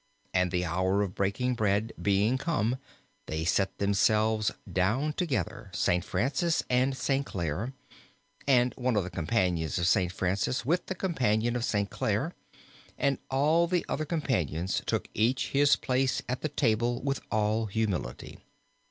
And the hour of breaking bread being come, they set themselves down together. Saint Francis and Saint Clare, and one of the companions of Saint Francis with the companion of Saint Clare, and all the other companions took each his place at the table with all humility.